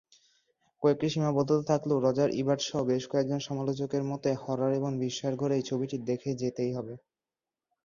কয়েকটি সীমাবদ্ধতা থাকলেও রজার ইবার্ট সহ বেশ কয়েকজন সমালোচকের মতে, হরর এবং বিস্ময়ের ঘোরে এই ছবিটি দেখেই যেতে হয়ে।